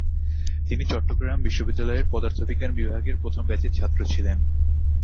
তিনি চট্টগ্রাম বিশ্ববিদ্যালয়ের পদার্থবিজ্ঞান বিভাগের প্রথম ব্যাচের ছাত্র ছিলেন।